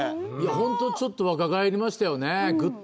本当ちょっと若返りましたよね、ぐっと。